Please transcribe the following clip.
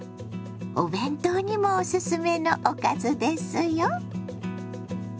お弁当にもおすすめのおかずですよ。